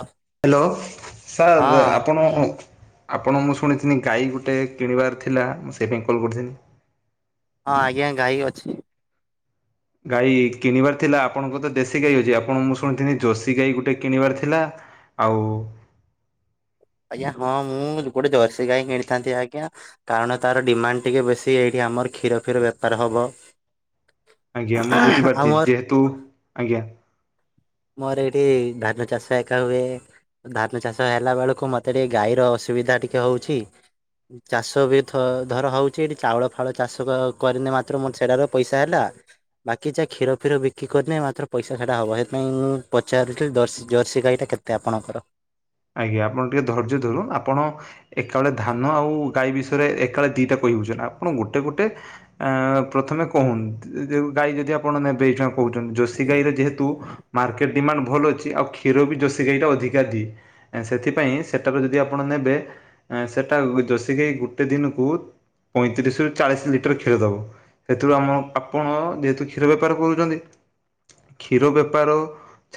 ହ hello sir ଆପଣ ଆପଣ ମୁଁ ଶୁଣିଥିଲି ଗାଈ ଗୋଟେ କିଣିବାର ଥିଲା ମୁଁ ସେଇପାଇଁ କଲ୍ କରିଥିଲି? ହଁ ଆଜ୍ଞାା ଗାଇ ଅଛି। ଗାଈ କିଣିବାର ଥିଲା ଆପଣଙ୍କ ତ ଦେଶୀ ଗାଈ ଅଛି ଆପଣ ମୁଁ ଶୁଣିଥିଲି ଜୋଶୀ ଗାଈ ଗୋଟେ କିଣିବାର ଥିଲା। ଆଉ ଆଜ୍ଞା ହଁ ମୁଁ ଗୋଟେ ଜରସି ଗାଈ କିଣିଥାନ୍ତି ଆଜ୍ଞା। କାରଣ ତାର ଡିମାଣ୍ଡ ଟିକେ ବେଶୀ ଏଇଠି ଆମର କ୍ଷୀର ଫୀର ବେପାର ହବ। ଆଜ୍ଞା ମୁଁ ବୁଝିପାରୁଛି ଆମର ଯେହେତୁ ଆଜ୍ଞା ମୋର ଏଇଠି ଧାନ ଚାଷ ଏକା ହୁଏ। ଧାନ ଚାଷ ହେଲା ବେଳକୁ ମତେ ଟିକେ ଗାଈର ଅସୁବିଧା ଟିକେ ହଉଛି। ଚାଷ ବି ଧ ଧର ହେଉଛି ଏଠି ଚାଉଳ ଫାଳ ଚାଷ କରିନେ ମାତ୍ର ମୋର ସେଟାର ପଇସା ହେଲା। ବାକି ଜାହା କ୍ଷୀର ଫିର ବିକ କରିନି ମାତ୍ର ପଇସା ସେଟା ହେବ ହେ ମୁଁ ପଚାରୁଥିଲି ଜର୍ସି ଜର୍ସି ଗାଈଟା କେତେ ଆପଣଙ୍କର? ଆଜ୍ଞା ଆପଣ ଟିକେ ଧୈର୍ଯ୍ୟ ଧରୁ ଆପଣ ଏକାବେଳେ ଧାନ ଆଉ ଗାଈ ବିଷୟରେ ଏକାବେଳେ ଦିଟା କହିବଉଛ ନା ଆପଣ ଗୋଟେ ଗୋଟେ ଆ ପ୍ରଥମେ କହୁନ ଗାଈ ଯଦି ଆପଣ ନେବେ ଏଇ କହୁଛନ୍ତି ଜୋଷୀ ଗାଈର ଯେହେତୁ ମାର୍କେଟ ଡିମାଣ୍ଡ ଭଲ ଅଛି ଆଉ କ୍ଷୀର ବି ଜୋଷୀ ଗାଈଟା ଅଧିକା ଦିଏ। ସେଥିପାଇଁ ସେଟାରୁ ଯଦି ଆପଣ ନେବେ ସେଟା ଜୋଷଗାଇ ଗୋଟେ ଦିନକୁ ପଇଁତିରିଶରୁ ଚାଳିଶ ଲିଟର କ୍ଷୀର ଦେବ। ସେଥିରୁ ଆମ ଆପଣ ଯେହେତୁ କ୍ଷୀର ବେପାର କରୁଛନ୍ତି। କ୍ଷୀର ବେପାର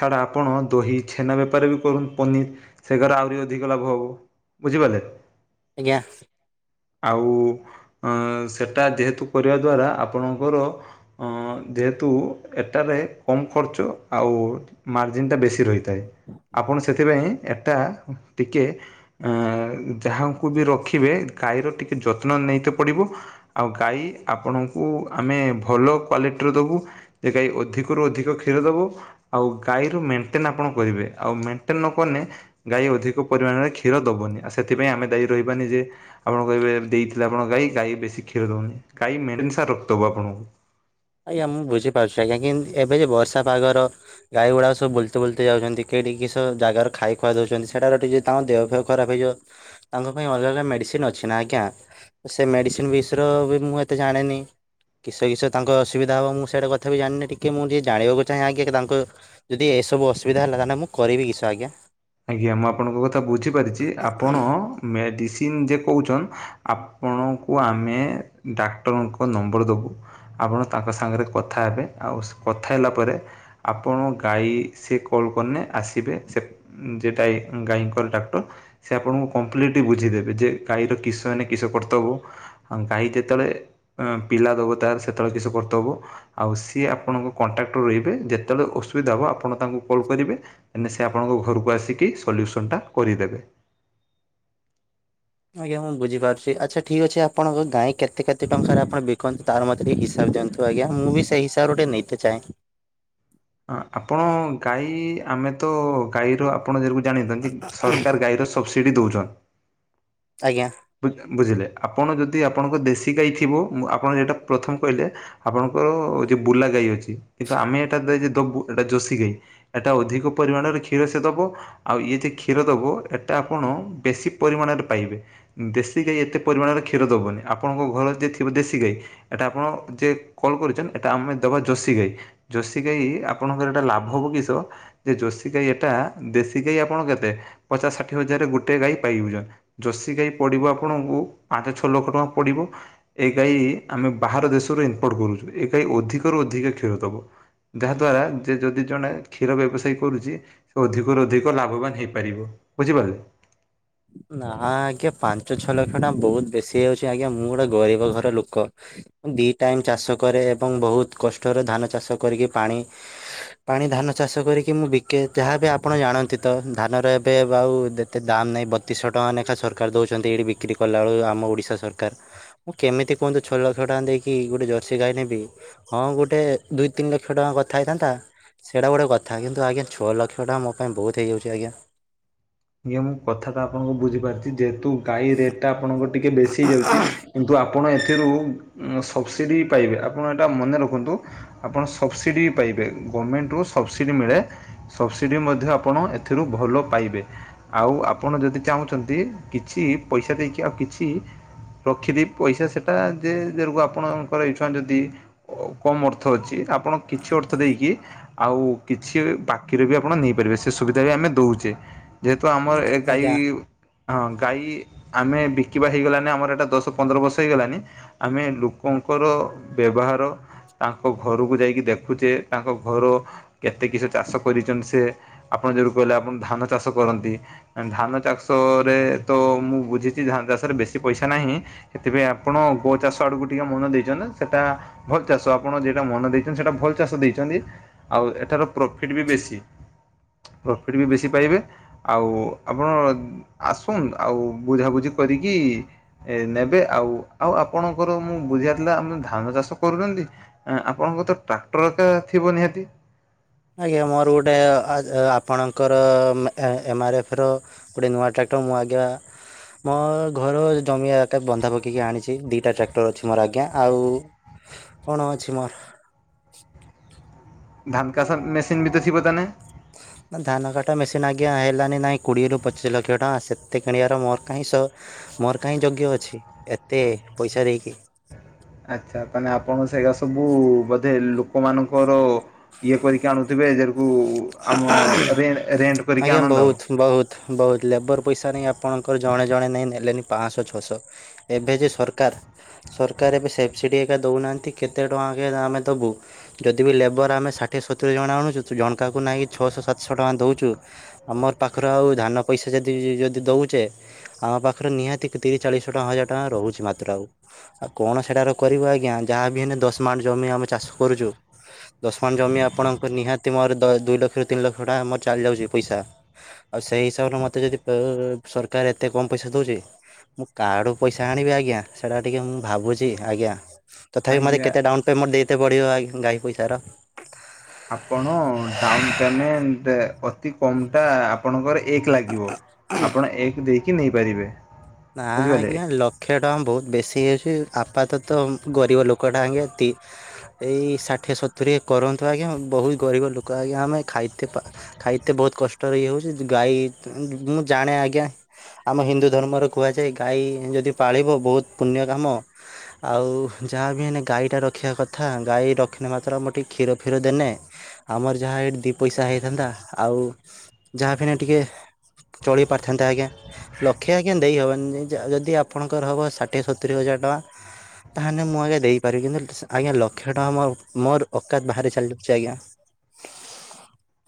ଛାଡ଼ା ଆପଣ ଦହି ଛେନା ବେପାର ବି କରନ୍ତୁ ପନିର୍ ସେ ଘାରେ ଆହୁରି ଅଧିକ ଲାଭ ହେବ ବୁଝିପାରିଲେ। ଆଜ୍ଞା ଆଉ ଅ ସେଟା ଯେହେତୁ କରିବା ଦ୍ଵାରା ଆପଣଙ୍କର ଅଁ ଯେହେତୁ ଏଟାରେ କମ୍ ଖର୍ଚ୍ଚ ଆଉ ମାର୍ଜିନ୍ଟା ବେଶୀ ରହିଥାଏ ଆପଣ ସେଥିପାଇଁ ଏଟା ଟିକେ ଅ ଯାହାକୁ ବି ରଖିବେ ଗାଈର ଟିକେ ଯତ୍ନ ନେଇତ ପଡିବ। ଆଉ ଗାଈ ଆପଣଙ୍କୁ ଆମେ ଭଲ କ୍ଵାଲିଟିର ଦେବୁ। ଏକାଈ ଅଧିକରୁ ଅଧିକ କ୍ଷୀର ଦେବ। ଆଉ ଗାଈରୁ ମେଣ୍ଟେନ ଆପଣ କରିବେ ଆଉ ମେଣ୍ଟେନ ନ କନେ ଗାଈ ଅଧିକ ପରିମାଣରେ କ୍ଷୀର ଦେବନି ଆଉ ସେଥିପାଇଁ ଆମେ ଦାୟୀ ରହିବାନି ଯେ ଆପଣ କହିବେ ଦେଇଥିଲେ ଆପଣ ଗାଈ ଗାଈ ବେଶୀ କ୍ଷୀର ଦଉନି ଗାଈ ମେଡିନ ସାର ରକ୍ତ ହବ ଆପଣଙ୍କୁ। ଆଜ୍ଞା ମୁଁ ବୁଝିପାରୁଛି ଆଜ୍ଞା କି ଏବେ ଯେ ବର୍ଷା ପାଗର ଗାଈ ଗୁଡା ସବୁ ବୁଲତ ବୁଲତ ଯାଉଛନ୍ତି କେହିଠିକି କିସ ଜାଗାରୁ ଖାଇ ଖୁଆ ଦଉଛନ୍ତି ସେଟାର ଟିକେ ତାଙ୍କ ଦେହ ଫେହ ଖରାପ ହେଇଯିବ ତାଙ୍କ ପାଇଁ ଅଲଗା ଅଲଗା ମେଡ଼ିସିନ ଅଛି ନା ଆଜ୍ଞା। ସେ ମେଡିସିନ ବିଷର ବି ମୁଁ ଏତେ ଜାଣିନି କିସ କିସ ତାଙ୍କ ଅସୁବିଧା ହେବ ମୁ ସେଇଟା କଥା ବି ଜାଣିନି ଟିକେ ମୁଁ ଟିକେ ଜାଣିବାକୁ ଚାହେଁ ଆଜ୍ଞା ତାଙ୍କୁ ଯଦି ଏସବୁ ଅସୁବିଧା ହେଲା ତାେଲେ ମୁଁ କରିବି କିସ ଆଜ୍ଞା? ଆଜ୍ଞା ମୁଁ ଆପଣଙ୍କ କଥା ବୁଝିପାରିଛି ଆପଣ ମେଡ଼ିସିନ ଯେ କହୁଛନ୍ ଆପଣଙ୍କୁ ଆମେ ଡାକ୍ତରଙ୍କ ନମ୍ବର ଦେବୁ। ଆପଣ ତାଙ୍କ ସାଙ୍ଗରେ କଥା ହେବେ ଆଉ କଥା ହେଲା ପରେ ଆପଣ ଗାଈ ସେ କଲ୍ କରିନେ ଆସିବେ ସେ ଯେଟା ଗାଈଙ୍କର ଡାକ୍ଟର ସେ ଆପଣଙ୍କୁ କମ୍ପ୍ଲିଟଲି ବୁଝିଦେବେ ଯେ ଗାଈର କିଶ ହେନ କିସ କର୍ତ୍ତବ୍ୟ ଆ ଗାଈ ଯେତେବେଳେ ପିଲା ଦବ ତାର ସେତେବେଳେ କିଛି କର୍ତବ। ଆଉ ସିଏ ଆପଣଙ୍କ କଣ୍ଟାକ୍ଟରୁ ରହିବେ ଯେତେବେଳେ ଅସୁବିଧା ହେବ ଆପଣ ତାଙ୍କୁ କଲ୍ କରିବେ। ସେ ଆପଣଙ୍କ ଘରକୁ ଆସିକି ସଲ୍ୟୁସନ ଟା କରିଦେବେ। ଆଜ୍ଞା ମୁଁ ବୁଝିପାରୁଛି ଆଚ୍ଛା ଠିକ୍ ଅଛି ଆପଣଙ୍କ ଗାଈ କେତେ କେତେ ଟଙ୍କାରେ ଆପଣ ବିକନ୍ତି ତାର ମୋତ ଟିକ ହିସାବ ଦିଅନ୍ତୁ। ଆଜ୍ଞା ମୁଁ ବି ସେଇ ହିସାବରେ ଟିକେ ନେଇେତେ ଚାହେଁ। ହ ଆପଣ ଗାଈ ଆମେ ତ ଗାଈର ଆପଣ ଯକୁ ଜାଣିଥାନ୍ତି ସରକାର ଗାଈର ସବସିଡ଼ି ଦେଉଛନ୍ ଆଜ୍ଞା। ବୁଝି ବୁଝିଲେ ଆପଣ ଯଦି ଆପଣଙ୍କ ଦେଶୀ ଗାଈ ଥିବ ମୁଁ ଆପଣ ଯେଟା ପ୍ରଥମେ କହିଲେ। ଆପଣଙ୍କର ଯିଏ ବୁଲା ଗାଈ ଅଛି କିନ୍ତୁ ଆମେ ଏଟା ଦବୁ ଏଟା ଯୋଶୀ ଗାଈ। ଏଟା ଅଧିକ ପରିମାଣରେ କ୍ଷୀର ସେ ଦବ। ଆଉ ଇଏ ଯେ କ୍ଷୀର ଦବ ଏଟା ଆପଣ ବେଶୀ ପରିମାଣରେ ପାଇବେ। ଦେଶୀ ଗାଈ ଏତେ ପରିମାଣର କ୍ଷୀର ଦବନି ଆପଣଙ୍କ ଘର ଯେ ଥିବ ଦେଶୀ ଗାଈ। ଏଟା ଆପଣ ଯେ କଲ୍ କରିଛନ୍ତି ଏଟା ଆମେ ଦବା ଜୋସି ଗାଈ। ଯୋଶୀ ଗାଈ ଆପଣଙ୍କର ଏଟା ଲାଭ ହେବ କିିସ। ଯେ ଯୋଶୀ ଗାଈ ଏଟା ଦେଶୀ ଗାଈ ଆପଣ କେତେ ପଚାଶ ଷାଠିଏ ହଜାରରେ ଗୋଟେ ଗାଈ ପାଇବେ। ଯୋଶୀ ଗାଈ ପଡିବ ଆପଣଙ୍କୁ ପାଞ୍ଚ ଛଅ ଲକ୍ଷ ଟଙ୍କା ପଡିବ। ଏ ଗାଈ ଆମେ ବାହାର ଦେଶରୁ ଇନପୋର୍ଟ କରୁଛୁ ଏ ଗାଈ ଅଧିକରୁ ଅଧିକ କ୍ଷୀର ଦବ। ଯାହାଦ୍ୱାରା ଯେ ଯଦି ଜଣେ କ୍ଷୀର ବ୍ୟବସାୟୀ କରୁଚି ସେ ଅଧିକରୁ ଅଧିକ ଲାଭବାନ ହେଇପାରିବ ବୁଝିପାରିଲେ। ନା ଆଜ୍ଞା ପାଞ୍ଚ ଛଅ ଲକ୍ଷ ଟଙ୍କା ବହୁତ ବେଶୀ ହୋଇ ଯାଉଛି ଆଜ୍ଞା ମୁଁ ଗୋଟେ ଗରିବ ଘର ଲୋକ। ଦି ଟାଇମ ଚାଷ କରେ ଏବଂ ବହୁତ କଷ୍ଟରେ ଧାନ ଚାଷ କରିକି ପାଣି ପାଣି ଧାନ ଚାଷ କରିକି ମୁଁ ବିକେ ଯାହା ବି ଆପଣ ଜାଣନ୍ତି ତ ଧାନର ଏବେ ଆଉ ଏତେ ଦାମ୍ ନାହିଁ ବତିଶହ ଟଙ୍କା ଲେଖା ସରକାର ଦେଉଛନ୍ତି ଏଇଠି ବିକ୍ରି କଲାବେଳୁ ଆମ ଓଡ଼ିଶା ସରକାର। ମୁଁ କେମିତି କୁହନ୍ତୁ ଛଅ ଲକ୍ଷ ଟଙ୍କା ଦେଇକି ଗୋଟେ ଜର୍ସି ଗାଈ ନେବି। ହଁ ଗୋଟେ ଦୁଇ ତିନି ଲକ୍ଷ ଟଙ୍କା କଥା ହେଇଥାନ୍ତା। ସେଇଟା ଗୋଟେ କଥା କିନ୍ତୁ ଆଜ୍ଞା ଛଅ ଲକ୍ଷ ଟଙ୍କା ମୋ ପାଇଁ ବୋହୁତ୍ ହେଇଯାଉଛି ଆଜ୍ଞା। ଆଜ୍ଞା ମୁଁ କଥା ତ ଆପଣଙ୍କୁ ବୁଝିପାରୁଛି ଯେହେତୁ ଗାଈ ରେଟ୍ ଟା ଆପଣଙ୍କ ଟିକେ ବେଶୀ ହେଇଯାଉଛି। କିନ୍ତୁ ଆପଣ ଏଥିରୁ ସପ୍ସିଡ଼ି ପାଇବେ ଆପଣ ଏଇଟା ମନେ ରଖନ୍ତୁ। ଆପଣ ସବସିଡି ପାଇବେ ଗଭର୍ଣ୍ଣମେଣ୍ଟରୁ ସବସିଡି ମିଳେ ସବସିଡି ମଧ୍ୟ ଆପଣ ଏଥିରୁ ଭଲ ପାଇବେ। ଆଉ ଆପଣ ଯଦି ଚାହୁଁଛନ୍ତି କିଛି ପଇସା ଦେଇକି ଆଉ କିଛି ରଖିବେ ପଇସା ସେଟା ଯେ ଆପଣଙ୍କର ଇଚ୍ଛା ଯଦି କମ୍ ଅର୍ଥ ଅଛି ଆପଣ କିଛି ଅର୍ଥ ଦେଇକି ଆଉ କିଛି ବାକିରେ ବି ଆପଣ ନେଇପାରିବେ ସେ ସୁବିଧା ବି ଆମେ ଦଉଚେ। ଯେହେତୁ ଆମର ଏ ଗାଈ ଆଜ୍ଞା ହଁ ଗାଈ ଆମେ ବିକିବା ହେଇଗଲାନି ଆମର ଏଇଟା ଦଶ ପନ୍ଦର ବର୍ଷ ହେଇଗଲାଣିି। ଆମେ ଲୋକଙ୍କର ବ୍ୟବହାର ତାଙ୍କ ଘରକୁ ଯାଇକି ଦେଖୁଛଚେ ତାଙ୍କ ଘର କେତେ କିଛି ଚାଷ କରିଛନ୍ତି ସେ ଆପଣ ଯୋଉ କହିଲେ ଆପଣ ଧାନ ଚାଷ କରନ୍ତି। ଧାନ ଚାଷରେ ତ ମୁଁ ବୁଝିଛି ଧାନ ଚାଷରେ ବେଶୀ ପଇସା ନାହିଁ। ସେଥିପାଇଁ ଆପଣ ଗୋ ଚାଷ ଆଡକୁ ଟିକେ ମନ ଦେଇଛନ୍ତି ସେଟା ଭଲ ଚାଷ ଆପଣ ଯନା ମନ ଦେଇଛନ୍ତି ସେଇଟା ଭଲ ଚାଷ ଦେଇଛନ୍ତି। ଆଉ ଏଠାର ପ୍ରଫିଡ୍ ବି ବେଶୀ ପ୍ରଫିଡ୍ ବି ବେଶୀ ପାଇବେ। ଆଉ ଆପଣ ଆସନ୍ତୁ ଆଉ ବୁଝାବୁଝି କରିକି ଏ ନେବେ ଆଉ ଆଉ ଆପଣଙ୍କର ମୁଁ ବୁଝିପାରୁଥିଲା ଆମ ଧାନ ଚାଷ କରୁଛନ୍ତି ଆପଣଙ୍କ ତ ଟ୍ରାକ୍ଟର ଏକା ଥିବ ନିହାତି? ଆଜ୍ଞା ମୋର ଗୋଟେ ଆପଣଙ୍କର ଏମଆର୍ ଏଫ ର ଗୋଟେ ନୂଆ ଟ୍ରାକ୍ଟର ମୁଁ ଆଜ୍ଞା ମୋ-ଅ-ଅ ଘର ଜମି ଏକା ବନ୍ଧା ପକେଇକି ଆଣିଛି, ଦିଇଟା ଟ୍ରାକ୍ଟର ଅଛି ମୋର ଆଜ୍ଞା ଆଉ କଣ ଅଛି ମୋର। ଧାନ କାସାର ମେସିନ୍ ବି ତ ଥିବ ତାହେନେ? ନା ଧାନ କାଟା ମେସିନ୍ ଆଜ୍ଞା ହେଲାନି, ନାଇଁ କୋଡ଼ିଏରୁ ପଚିଶ ଲକ୍ଷ ଟଙ୍କା ସେତେ କିଣିବାର ମୋର କାହିଁ ସ ମୋର କାହିଁ ଯୋଗ୍ୟ ଅଛି ଏତେ ପଇସା ଦେଇକି। ଆଚ୍ଛା ତାହେଲେ ଆପଣ ସେଇରା ସବୁ ବୋଧେ ଲୋକମାନଙ୍କର ଇଏ କରିକି କି ଆଣୁଥିବେ ଏଜରକୁ ଆମ ରେଣ୍ଟ୍, ରେଣ୍ଟ୍ କରିକି ଆଜ୍ଞା ଆଣନ୍ତ୍ ଆଉ। ବହୁତ ବହୁତ ବହୁତ ଲେବର ପଇସା ନେଇ ଆପଣଙ୍କର ଜଣେ ଜଣେ ନେଇଁ ନେଲେନି ପାଁଶହ ଛଅଶହ। ଏବେ ଯେ ସରକାର ସରକାର ଏବେ ସେବସିଡି ଏକା ଦଉନାହାନ୍ତି କେତେ ଟଙ୍କା ଏକେ ଆମେ ଦବୁ। ଯଦି ବି ଲେବର ଆମେ ଷାଠିଏ ସତୁରି ଜଣ ଆଣୁଛୁ ତ ଜଣକାକୁ ନାଇଁକି ଛଅଶହ ସାତଶହ ଟଙ୍କା ଦଉଛୁ। ଆମର ପାଖର ଆଉ ଧାନ ପଇସା ଯଦି ଯଦି ଦଉଛେ ଆମ ପାଖରେ ନିହାତି ତିରିଶ ଚାଳିଶ ଶହ‌ ହଜାର ଟଙ୍କା ରହୁଛି ମାତ୍ର ଆଉ ଆଉ କଣ ସେଟାର କରିବୁ ଆଜ୍ଞା ଯାହା ବି ହେନେ ଦଶ ମାଣ୍ଟ ଜମି ଆମେ ଚାଷ କରୁଛୁ। ଦଶ ମାଣ ଜମି ଆପଣଙ୍କର ନିହାତି ମୋର ଦ ଦୁଇ ଲକ୍ଷରୁ ତିନି ଲକ୍ଷ ଟଙ୍କା ମୋର ଚାଲି ଯାଉଛି ପଇସା। ଆଉ ସେଇ ହିସାବରେ ମତେ ଯଦି ଅ-ଅ-ଅ ସରକାର ଏତେ କମ୍ ପଇସା ଦଉଛି ମୁଁ କାର୍ଡୁ ପଇସା ଆଣିବି ଆଜ୍ଞା ସେଟା ଟିକେ ମୁଁ ଭାବୁଛି, ଆଜ୍ଞା। ତଥାପି ମୋତେ ଆଜ୍ଞା। କେତେ ଡାଉନ ପେମଣ୍ଟ ଦେଇତେ ପଡିବ ଆଗେ ଗାଈ ପଇସାର? ଆପଣ ଡାଉନ ପେମେଣ୍ଟ ଅତି କମଟା ଆପଣଙ୍କର ଏ ଏକ ଲାଗିବ ଆପଣ ଏକ ଦେଇକି ନେଇପାରିବେ। ନା ବୁଝିପାରିଲେ ଆଜ୍ଞା ଲ କ୍ଷେ ଟଙ୍କା ବହୁତ ବେଶୀ ହେଇଯାଉଛି ଆପାତତଃ ଗରିବ ଲୋକଟା ଆଜ୍ଞା ଏତି ଏଇ ଷାଠିଏ ସତୁରି କରନ୍ତୁ ଆଜ୍ଞା ବହୁତ ଗରିବ ଲୋକ ଆଜ୍ଞା ଆମେ ଖାଇତେ ପା ଖାଇତେ ବହୁତ କଷ୍ଟରେ ଇଏ ହଉଛି ଗାଈ ମୁଁ ଜାଣେ ଆଜ୍ଞା ଆମ ହିନ୍ଦୁ ଧର୍ମର କୁହାଯାଏ ଗାଈ ଯଦି ପାଳିବ ବହୁତ ପୁଣ୍ୟ କାମ। ଆଉ ଯାହା ବି ହେନେ ଗାଈଟା ରଖିବା କଥା ଗାଈ ରଖିନେ ମାତ୍ର ଆମ ଟିକେ କ୍ଷୀର ଫୀର ଦେନେ ଆମର ଯାହା ଏଇଠି ଦି ପଇସା ହେଇଥାନ୍ତା, ଆଉ ଯାହା ଫେଣେ ଟିକେ ଚଳି ପାରଥାନ୍ତା ଆଜ୍ଞା, ଲକ୍ଷେ ଆଜ୍ଞା [inaudible] ଦେଇ ହବନି ଯ-ଯ-ଯଦି ଆପଣଙ୍କର ହେବ ଷାଠିଏ ସତୁରି ହଜାର ଟଙ୍କା ତାହେଲେ ମୁଁ ଆଜ୍ଞା ଦେଇପାରିବି, କିନ୍ତୁ ସା ଆଜ୍ଞା ଲକ୍ଷେ ଟଙ୍କା ମୋର-ମୋର ଔକାତ ବାହାରେ ଚାଲିଯାଉଛି ଆଜ୍ଞା।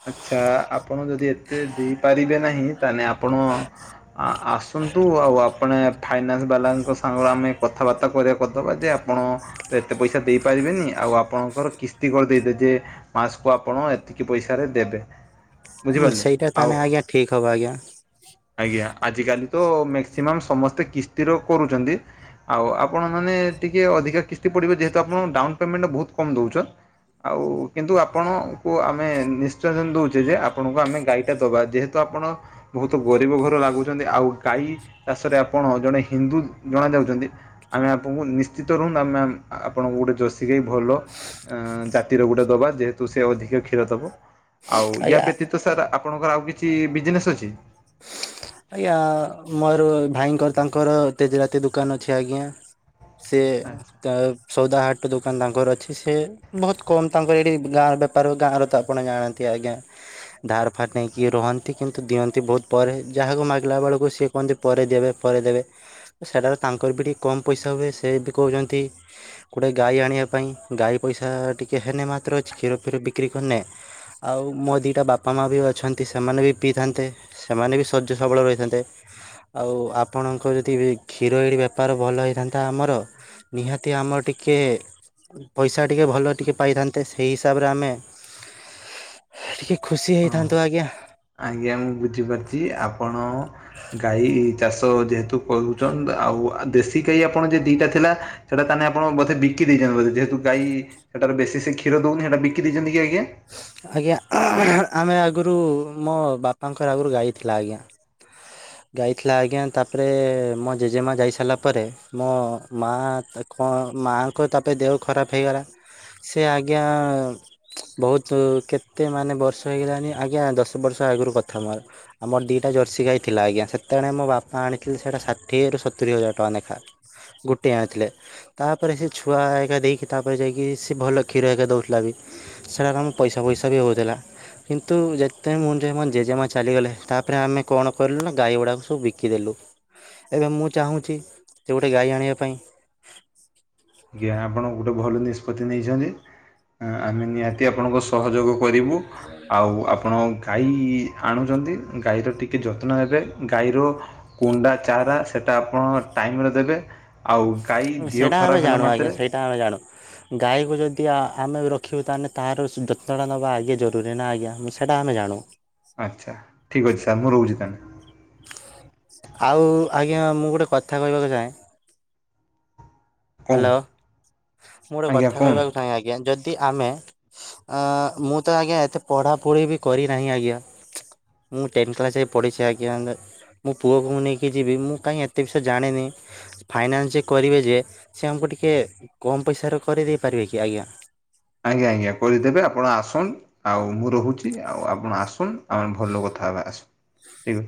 ଆଚ୍ଛା ଆପଣ ଯଦି ଏତେ ଦେଇପାରିବେ ନାହିଁ ତାହେଲେ ଆପଣ-ଅ-ଅ ଆ-ଆ-ଆସ୍ ଆସନ୍ତୁ ଆଉ ଆପଣ ଫାଇନାନ୍ସ ବାଲାଙ୍କ ସାଙ୍ଗରେ ଆମେ କଥାବାର୍ତ୍ତା କରେଇ କରିଦବା ଯେ ଆପଣ ତ ଏତେ ପଇସା ଦେଇପାରିବେନି ଆଉ ଆପଣଙ୍କର କିସ୍ତି କରିଦେଇଦେ ଯେ ମାସ୍ କୁ ଆପଣ ଏତିକି ପଇସା [inaudible] ରେ ଦେବେ। ହୁଁ ସେଇଟା ଆଉ ତାହେଲେ ଆଜ୍ଞା ଠିକ୍ ହବ ଆଜ୍ଞା। ଆଜ୍ଞା ଆଜିକାଲି ତ ମ୍ୟାକ୍ସିମମ୍ ସମସ୍ତେ କିସ୍ତିର କରୁଛନ୍ତି। ଆଉ ଆପଣମାନେ ଟିକେ ଅଧିକା କିସ୍ତି ପଡିବ ଯେହେତୁ ଆପଣ ଡାଉନ ପେମେଣ୍ଟ ବହୁତ କମ୍ ଦଉଛ। ଆଉ କିନ୍ତୁ ଆପଣଙ୍କୁ ଆମେ ନିଶ୍ଚସନ ଦଉଛେ ଯେ ଆପଣଙ୍କୁ ଆମେ ଗାଈଟା ଦବା ଯେହେତୁ ଆପଣ ବହୁତ ଗରିବ ଘର ଲାଗୁଛନ୍ତି ଆଉ ଗାଈ ଚାଷରେ ଆପଣ ଜଣେ ହିନ୍ଦୁ ଜଣା ଯାଉଛନ୍ତି। ଆମେ ଆପଣଙ୍କୁ ନିଶ୍ଚିତ ରୁହନ୍ତୁ ଆମେ-ଆମ୍ ଆପଣଙ୍କୁ ଗୋଟେ ଜର୍ସି ଗାଈ ଭଲ ଅଁ-ଅଁ ଜାତିର ଗୋଟେ ଦବା ଯେହେତୁ ସେ ଅଧିକ କ୍ଷୀର ଦବ ଆଉ ୟା ଆଜ୍ଞା। ବ୍ୟତୀତ ସାର୍ ଆପ୍ ଆପଣଙ୍କର ଆଉ କିଛି ବିଜିନେସ୍ ଅଛି? ଆଜ୍ଞା ମୋର ଭାଇଙ୍କର ତାଙ୍କର ତେଜରାତି ଦୋକାନ ଅଛି ଆଜ୍ଞା। ସେ ଆଚ୍ଛା। ତା ସଉଦା ହାଟ ଦୋକାନ ତାଙ୍କର ଅଛି, ସେ ବହୁତ କମ୍ ତାଙ୍କର ଏଇଠି ଗାଁର ବେପାର ଗାଁ ର ତ ଆପଣ ଜାଣନ୍ତି ଆଜ୍ଞା ଧାର ଫାରେ ନେଇକି ରହନ୍ତି କିନ୍ତୁ ଦିଅନ୍ତି ବହୁତ ପରେ ଯାହାକୁ ମାଗିଲା ବେଳକୁ ସିଏ କୁହନ୍ତି ପରେ ଦେବେ ପରେ ଦେବେ ସେଟାରେ ତାଙ୍କର ବି ଟିକିଏ କମ୍ ପଇସା ହୁଏ ସେ ବି କହୁଛନ୍ତି ଗୋଟେ ଗାଈ ଆଣିବା ପାଇଁ ଗାଈ ପଇସା ଟିକେ ହେନେ ମାତ୍ର କ୍ଷୀର ଫିର ବିକ୍ରି କରିନେ ଆଉ ମୋ ଦିଟା ବାପା ମା ବି ଅଛନ୍ତି ସେମାନେ ବି ପିଇଥାନ୍ତେ ସେମାନେ ବି ଶଜ୍ୟ ସବଳ ରହିଥାନ୍ତେ ଆଉ ଆପଣଙ୍କ ଯଦି କ୍ଷୀର ଏଠି ବେପାର ଭଲ ହେଇଥାନ୍ତା ଆମର ନିହାତି ଆମର ଟିକେ ପଇସା ଟିକେ ଭଲ ଟିକେ ପାଇଥାନ୍ତେ ସେଇ ହିସାବରେ ଆମେ ଖୁସି ହଁ ହେଇଥାନ୍ତୁ ଆଜ୍ଞା ଆଜ୍ଞା ମୁଁ ବୁଝିପାରୁଛି ଆପଣ ଗାଈ ଚାଷ ଯେହେତୁ କରୁଛନ୍ ଆଉ ଦେଶୀ ଗଈ ଆପଣ ଯେ ଦିଟା ଥିଲା ସେଟା ତାହେଲେ ଆପଣ ବଧେ ବିକି ଦେଇଛନ୍ତି ବଧେ ଯେହେତୁ ଗାଈ ସେଟାରେ ବେଶୀ ସେ କ୍ଷୀର ଦଉନି ସେଟା ବିକି ଦେଇଛନ୍ତି କି ଆଜ୍ଞା ଆଜ୍ଞା ଆମେ ଆଗରୁ ମୋ ବାପାଙ୍କର ଆଗରୁ ଗାଇଥିଲା ଆଜ୍ଞା ଯାଇଥିଲା ଆଜ୍ଞା ତାପରେ ମୋ ଜେଜେ ମା ଯାଇସାରିଲା ପରେ ମୋ ମା କଣ ମାଆଙ୍କ ତାପରେ ଦେହ ଖରାପ୍ ହେଇଗଲା ସେ ଆଜ୍ଞା ବହୁତ କେତେ ମାନେ ବର୍ଷ ହେଇଗଲାଣିି ଆଜ୍ଞା ଦଶ ବର୍ଷ ଆଗରୁ କଥା ଆମର ଦିଟା ଜର୍ସିୀ ଗାଇ ଥିଲା ଆଜ୍ଞା ସେତେବେଳେ ମୋ ବାପା ଆଣିଥିଲେ ସେଇଟା ଷାଠିଏରୁ ସତୁୁରରି ହଜାର ଟଙ୍କା ଲେଖା ଗୋଟିଏ ଆଣିଥିଲେ ତାପରେ ସେ ଛୁଆ ଘରିକା ଦେଇକି ତାପରେ ଯାଇକି ସେ ଭଲ କ୍ଷୀର ଏକା ଦଉଥିଲା ବି ସେଟାରେ ଆମ ପଇସା ଫଇସା ବି ହଉଥିଲା କିନ୍ତୁ ଯେତେବେଳେ ମୁଁ ଜେଜେ ମା ଚାଲିଗଲେ ତାପରେ ଆମେ କଣ କଣ କଲୁ ନା ଗାଈ ଗୁଡ଼ାକ ସବୁ ବିକିଦେଲୁ ଏବେ ମୁଁ ଚାହୁଁଛି ସେ ଗୋଟେ ଗାଈ ଆଣିବା ପାଇଁ ଆଜ୍ଞା ଆପଣ ଗୋଟେ ଭଲ ନିଷ୍ପତ୍ତି ନେଇଛନ୍ତି ଆମେ ନିହାତି ଆପଣଙ୍କ ସହଯୋଗ କରିବୁ ଆଉ ଆପଣ ଗାଈ ଆଣୁଛନ୍ତି ଗାଈର ଟିକେ ଯତ୍ନ ନେବେ ଗାଈର କୁଣ୍ଡା ଚାରା ସେଟା ଆପଣ ଟାଇମିରେ ଦେବେ ଆଉ ଗାଈ ସେଇଟା ଆମେ ଜାଣୁ ଆଜ୍ଞା ସେଇଟା ଆମେ ଜାଣୁ ହ ଗାଈକୁ ଯଦି ଆମେ ରଖିବୁ ତାହେଲେ ତାର ଯତ୍ନା ନେବା ଆଗେ ଜରୁରୀ ନା ଆଜ୍ଞା ସେଇଟା ଆମେ ଜାଣୁ ଆଚ୍ଛା ଠିକ୍ ଅଛି ସାର୍ ମୁଁ ରହୁଛି ତାହେଲେ ଆଉ ଆଜ୍ଞା ମୁଁ ଗୋଟେ କଥା କହିବାକୁ ଚାହେଁ କହୁନ୍ ହ୍ୟାଲୋ ମୁଁ ଗୋଟେ ଆଜ୍ଞା କଥା କହୁନ୍ କହିବାକୁ ଚାହହିଁ ଆଜ୍ଞା ଯଦି ଆମେ ଅ ମୁଁ ତ ଆଜ୍ଞା ଏତେ ପଢ଼ାପଢ଼ି ବି କରିନାହିଁ ଆଜ୍ଞା ମୁଁ ଟେନ୍ କ୍ଲାସ୍ର ଯାଏ ପଢ଼ିଛି ଆଜ୍ଞା ମୋ ପୁଅ ନେଇକି ଯିବି ମୁଁ କାହିଁ ଏତେ ବିଷୟ ଜାଣିନି ଫାଇନାନ୍ସ କରିବେ ଯେ ସେ ଆମକୁ ଟିକେ କମ୍ ପଇସାରେ କରିଦେଇ ପାରିବେ କି ଆଜ୍ଞା ଆଜ୍ଞା ଆଜ୍ଞା କରିଦେବେ ଆପଣ ଆସନ୍ତୁ ଆଉ ମୁଁ ରହୁଛି ଆଉ ଆପଣ ଆସନ୍ତୁ ଆମ ଭଲ କଥା ହେବା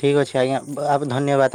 ଠିକ୍ ଅଛି ଆଜ୍ଞା ଧନ୍ୟବାଦ୍